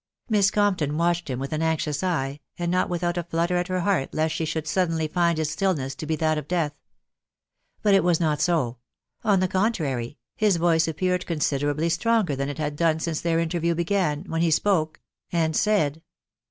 Miss Compton watched him with an anxious eye, and not without a flutter at her heart lest she should suddenly find this stillness to be that of death. But it was not so ; on the con trary, his voice appeared considerably stronger thaw it \sa& done since ihcix interview began, w\xen \\* ugK«v «^*^>*^ said —« 52 THE WIDOW BARK A BY.